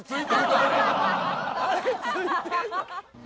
あれ付いてるの？